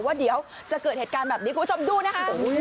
ว่าเดี๋ยวจะเกิดเหตุการณ์แบบนี้คุณผู้ชมดูนะคะ